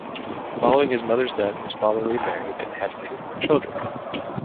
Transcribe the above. Following his mother's death, his father remarried and had many more children.